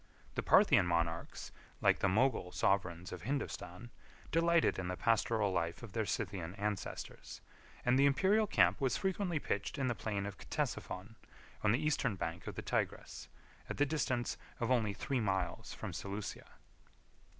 39 The Parthian monarchs, like the Mogul sovereigns of Hindostan, delighted in the pastoral life of their Scythian ancestors; and the Imperial camp was frequently pitched in the plain of Ctesiphon, on the eastern bank of the Tigris, at the distance of only three miles from Seleucia.